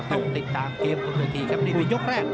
ติดตามเกฟตัวเกียรติครับนี่เป็นยกแรก